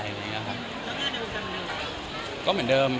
ก็เหมือนเดิมทำเหมือนเดิม